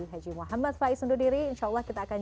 haji muhammad faiz undur diri insya allah kita akan